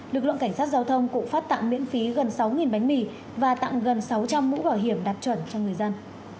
lực lượng cảnh sát giao thông cũng phát tặng miễn phí gần sáu bánh mì và tặng gần sáu trăm linh mũ bảo hiểm đạt chuẩn cho người dân